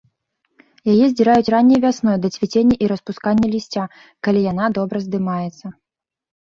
Яе здзіраюць ранняй вясной, да цвіцення і распускання лісця, калі яна добра здымаецца.